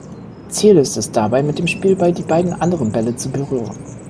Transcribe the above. Ziel ist es dabei, mit dem Spielball die beiden anderen Bälle zu berühren.